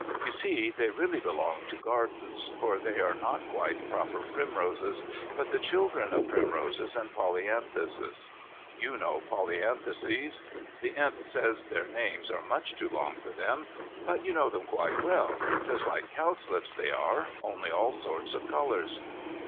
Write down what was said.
You see, they really belong to gardens, for they are not quite proper primroses, but the children of primroses and polyanthuses. You know polyanthuses. The Imp says their names are much too long for them. But you know them quite well, just like cowslips, they are, only all sorts of colours.